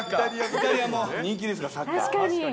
イタリアも人気ですから、サッカー。